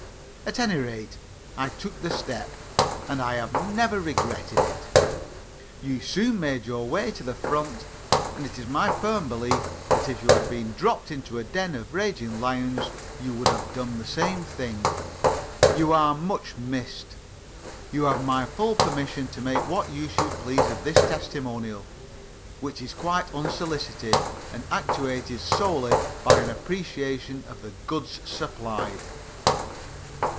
At any rate, I took the step, and I have never regretted it. You soon made your way to the front, and it is my firm belief that if you had been dropped into a den of raging lions you would have done the same thing. You are much missed. You have my full permission to make what use you please of this testimonial, which is quite unsolicited, and actuated solely by an appreciation of the goods supplied.